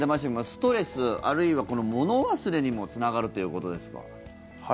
ストレス、あるいは物忘れにもつながるということですが。